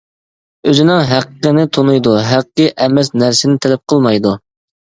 ئۆزىنىڭ ھەققىنى تونۇيدۇ، ھەققى ئەمەس نەرسىنى تەلەپ قىلمايدۇ.